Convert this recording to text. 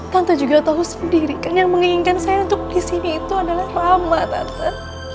tante juga tau sendiri kan yang menginginkan saya untuk disini itu adalah rama tante